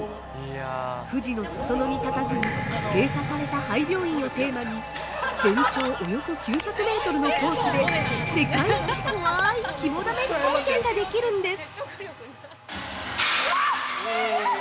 富士の裾野にたたずむ閉鎖された廃病院をテーマに全長およそ９００メートルのコースで世界一怖い肝試し体験ができるんです。